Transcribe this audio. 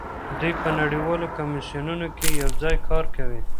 دوی په نړیوالو کمیسیونونو کې یوځای کار کوي